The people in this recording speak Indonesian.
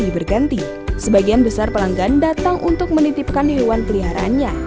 berganti sebagian besar pelanggan datang untuk menitipkan hewan peliharaannya